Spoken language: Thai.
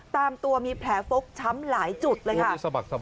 ตามตัวมีแผลฟกช้ำหลายจุดเลยค่ะ